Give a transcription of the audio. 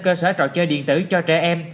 cơ sở trò chơi điện tử cho trẻ em